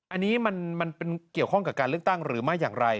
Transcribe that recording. อันนี้มันเป็นเกี่ยวข้องกับการเลือกตั้งหรือไม่อย่างไร